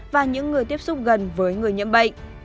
và những người tiếp xúc gần với người nhiễm bệnh